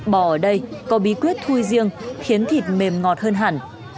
bò ở đây có bí quyết thui riêng khiến thịt mềm ngọt hơn hẳn